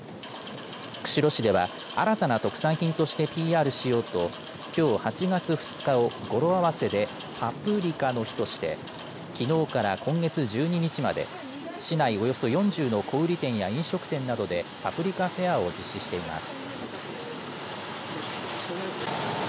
釧路市では、新たな特産品としてＰＲしようときょう、８月２日を語呂合わせでパプリカの日としてきのうから今月１２日までに市内およそ４０の小売店や飲食店などでパプリカフェアを実施しています。